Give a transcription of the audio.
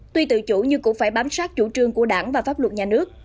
tuy tự chủ nhưng cũng phải bám sát chủ trương của đảng và pháp luật nhà nước